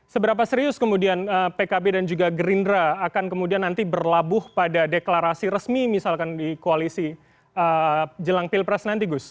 seberapa serius kemudian pkb dan juga gerindra akan kemudian nanti berlabuh pada deklarasi resmi misalkan di koalisi jelang pilpres nanti gus